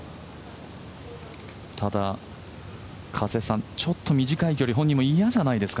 ただ、ちょっと短い距離本人も嫌じゃないですか？